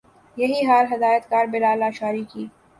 یہی حال ہدایت کار بلال لاشاری کی